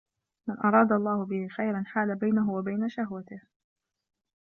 مَنْ أَرَادَ اللَّهُ بِهِ خَيْرًا حَالَ بَيْنَهُ وَبَيْنَ شَهْوَتِهِ